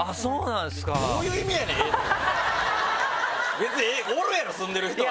別におるやろ住んでる人は。